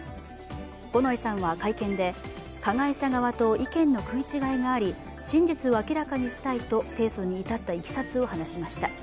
五ノ井さんは会見で、加害者側と意見の食い違いがあり、真実を明らかにしたいと提訴に至ったいきさつを話しました。